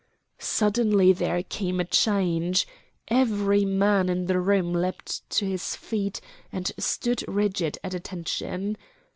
Suddenly there came a change. Every man in the room leapt to his feet and stood rigid at attention.